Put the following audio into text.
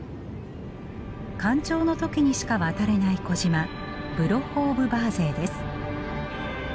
干潮の時にしか渡れない小島ブロッホ・オブ・バーゼイです。